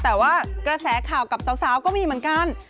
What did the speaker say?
แต่ว่ากระแสข่าวกับสาวก็มีเหมือนกัน